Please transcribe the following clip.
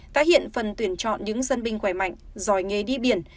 tái hiện phần tuyển chọn những dân binh khỏe mạnh giỏi nghề đi biển